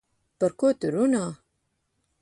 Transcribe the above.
Par ko tu runā?